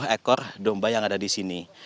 enam ekor domba yang ada di sini